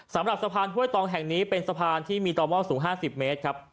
สำหรับสะพานห้วยตองแห่งนี้เป็นสะพานที่มีต่อหม้อสูง๕๐เมตรครับ